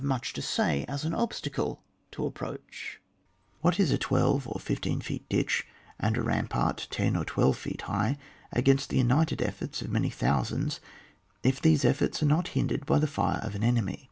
mucli to say as an obstacle to approach^ What is a twelve or fifteen feet ditch, and a rampart ten or twelve feet high, against the united efforts of many thou sands, if these efforts are not hindered by the fire of an enemy